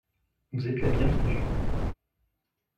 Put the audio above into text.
Vous êtes la bienvenue.